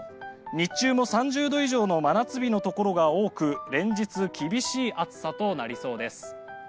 日中も３０度以上の真夏日のところが多く連日厳しい暑さとなりそうです。